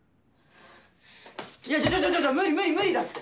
いやちょちょっ無理無理無理だって！